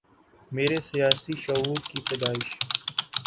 میرے سیاسی شعور کی پیدائش